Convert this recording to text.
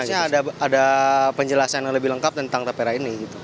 harusnya ada penjelasan yang lebih lengkap tentang tapera ini